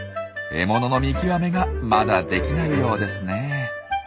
獲物の見極めがまだできないようですね。